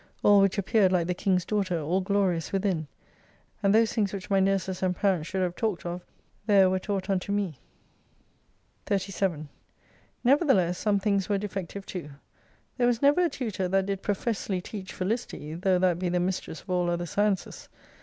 All which appeared like the King's Daughter, all glorious within ; and those things which my nurses, and parents, should have talked of there were taught unto me. 37 Nevertheless some things were defective too. There was never a tutor that did professly teach Felicity, though that be the mistress of all other sciences.